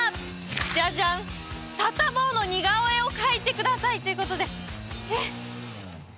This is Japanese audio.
じゃじゃん、サタボーの似顔絵を描いてくださいということで、え？